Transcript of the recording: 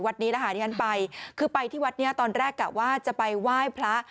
วัดนี้รหาริกันไปคือไปที่วัดนี้ตอนแรกว่าจะไปไหว้พระ